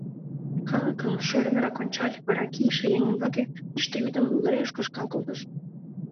Калыкым шӧрынрак ончале, вара кийыше еҥ ӱмбаке йӱштӧ вӱдым лӧж-ж кышкал колтыш.